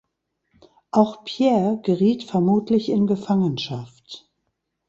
Auch Pierre geriet vermutlich in Gefangenschaft.